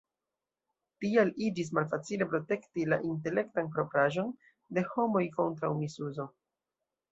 Tial iĝis malfacile protekti la "intelektan propraĵon" de homoj kontraŭ misuzo.